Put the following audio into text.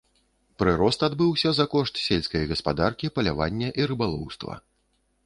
Прырост адбыўся за кошт сельскай гаспадаркі, палявання і рыбалоўства.